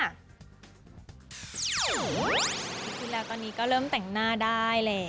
จริงแล้วตอนนี้ก็เริ่มแต่งหน้าได้แล้ว